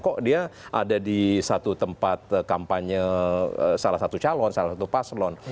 kok dia ada di satu tempat kampanye salah satu calon salah satu paslon